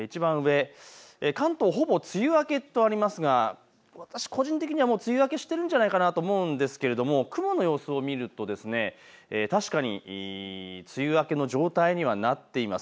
関東、ほぼ梅雨明けとありますが私個人的にはもう梅雨明けしているんじゃないかなと思うんですが雲の様子を見ると確かに梅雨明けの状態にはなっています。